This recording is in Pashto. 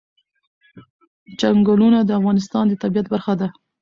چنګلونه د افغانستان د طبیعت برخه ده.